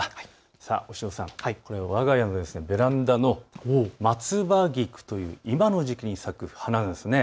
さあ押尾さん、これ、わが家のベランダのマツバギクという今の時期に咲く花なんです。